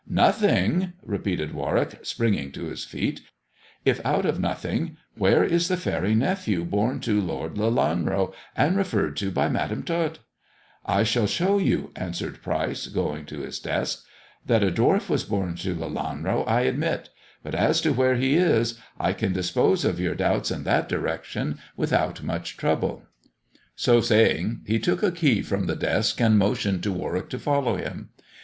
" Nothing !" repeated Warwick, springing to his feet. "If out of nothing, where is the faery nephew born to Lord Lelanro and referred to by Madam Tot 1 " I shall show you," answered Pryce, going to his desk. That a dwarf was born to Lelanro, I admit. But as to where he is, I can dispose of your doubts in that direction without much trouble." So saying, he took a key from the desk and motioned to Warwick to follow him.